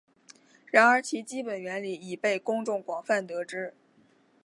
然而其基本原理已被公众广泛得知。